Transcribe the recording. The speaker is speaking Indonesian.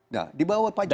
nah di bawah pak jokowi